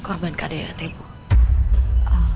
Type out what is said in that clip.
ah aku zou terpara goba deh